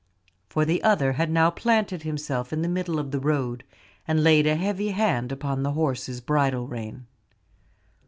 For the other had now planted himself in the middle of the road, and laid a heavy hand upon the horse's bridle rein.